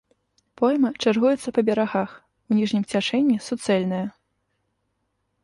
Пойма чаргуецца па берагах, у ніжнім цячэнні суцэльная.